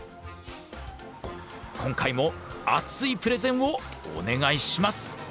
今回も熱いプレゼンをお願いします！